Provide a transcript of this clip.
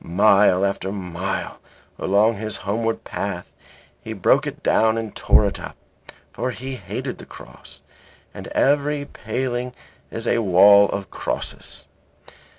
Mile after mile along his homeward path he broke it down and tore it up. For he hated the cross and every paling is a wall of crosses.